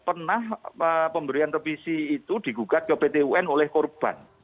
pernah pemberian revisi itu digugat ke pt un oleh korban